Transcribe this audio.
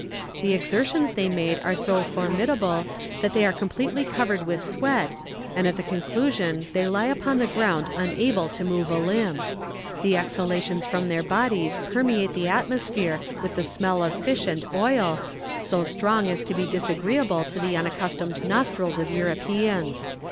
The exertions they made are so formidable that they are completely covered with sweat, and at the conclusion they lie upon the ground unable to move a limb. The exhalations from their bodies permeate the atmosphere with the smell of fish and oil, so strong as to be disagreeable to the unaccustomed nostrils of Europeans."